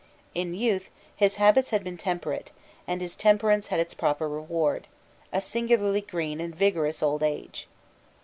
In youth his habits had been temperate; and his temperance had its proper reward, a singularly green and vigorous old age.